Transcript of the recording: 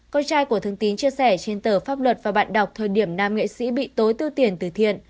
con trai của thương tín chia sẻ trên tờ pháp luật và bạn đọc thời điểm nam nghệ sĩ bị tối tư tiền từ thiện